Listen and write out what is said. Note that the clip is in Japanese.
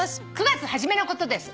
９月初めのことです」